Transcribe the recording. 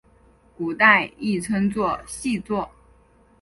古代亦称作细作。